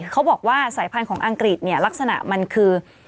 เขาบอกว่าสายพันธุ์ของอังกฤษเนี่ยลักษณะมันคือ